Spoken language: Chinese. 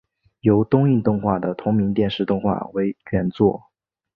由东映动画的同名电视动画为原作。